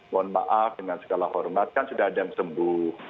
mohon maaf dengan segala hormat kan sudah ada yang sembuh